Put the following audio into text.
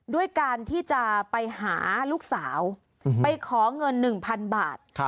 ด้วยการที่จะไปหาลูกสาวไปขอเงิน๑๐๐๐บาท